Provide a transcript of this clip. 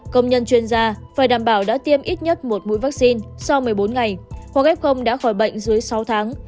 công nhân chuyên gia phải đảm bảo đã tiêm ít nhất một mũi vaccine sau một mươi bốn ngày hoặc f đã khỏi bệnh dưới sáu tháng